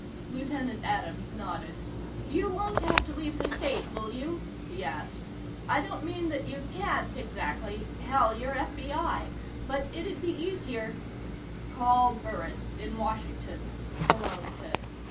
Lieutenant Adams nodded. "You won't have to leave the state, will you?" he asked. "I don't mean that you can't, exactly hell, you're FBI. But it'd be easier " "Call Burris in Washington," Malone said.